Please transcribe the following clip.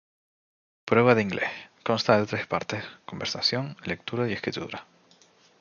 Prueba de inglés. Consta de tres partes conversación, lectura y escritura.